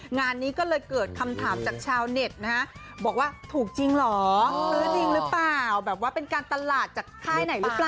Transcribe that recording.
งานนี้ก็เลยเกิดคำถามจากชาวเน็ตนะฮะบอกว่าถูกจริงเหรอซื้อจริงหรือเปล่าแบบว่าเป็นการตลาดจากค่ายไหนหรือเปล่า